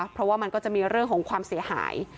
เพราะว่ามันก็จะมีเรื่องของความเสียหาย